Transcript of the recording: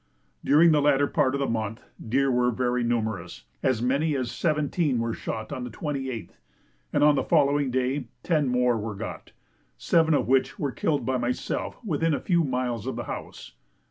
During the latter part of the month deer were very numerous. As many as seventeen were shot on the 28th, and on the following day ten more were got, seven of which were killed by myself within a few miles of the house.